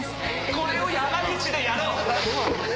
これを山口でやろう！